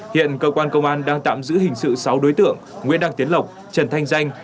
hiện cơ quan công an đang tạm giữ hình sự sáu đối tượng nguyễn đăng tiến lộc trần thanh danh